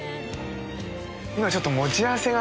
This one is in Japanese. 今ちょっと持ち合わせがない。